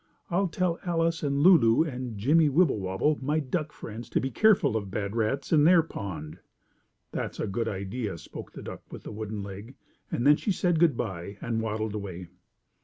"I'll tell Alice and Lulu and Jimmie Wibblewobble, my duck friends, to be careful of bad rats in their pond." "That's a good idea," spoke the duck with the wooden leg, and then she said good by and waddled away.